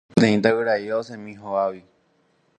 Peteĩ tavyraíva osẽmi hógagui.